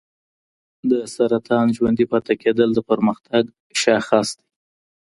د سرطان ژوندي پاتې کېدل د پرمختګ شاخص دی.